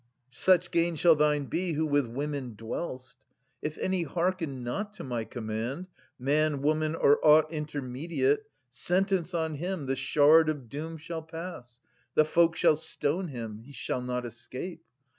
Such gain shall thine be who with women dwell'st ! If any hearken not to my command — Man, woman, or aught intermediate, — Sentence on him the shard of doom shall pass : The folk shall stone him ; he shall not escape.